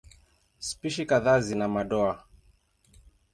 Spishi kadhaa zina madoa.